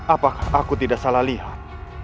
apakah aku tidak salah lihat